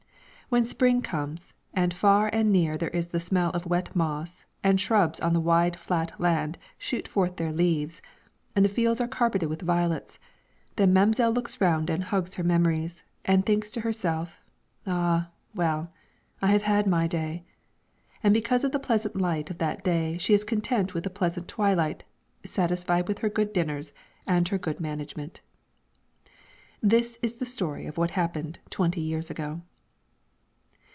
When the spring comes, and far and near there is the smell of wet moss, and shrubs on the wide flat land shoot forth their leaves, and the fields are carpeted with violets, then mam'selle looks round and hugs her memories, and thinks to herself, 'Ah! well, I have had my day.' And because of the pleasant light of that day she is content with the present twilight, satisfied with her good dinners and her good management. This is the story of what happened twenty years ago.